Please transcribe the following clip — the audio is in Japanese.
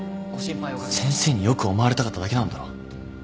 先生に良く思われたかっただけなんだろ。